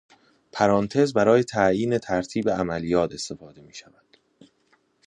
پرانتز برای تعیین ترتیب عملیات استفاده میشود